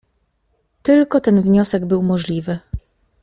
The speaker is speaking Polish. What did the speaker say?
"Tylko ten wniosek był możliwy."